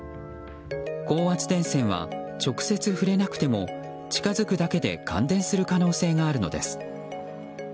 高圧電線は直接触れなくても近づくだけで感電する可能性があるのです。